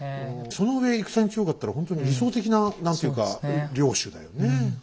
そのうえ戦に強かったらほんとに理想的な何ていうか領主だよね。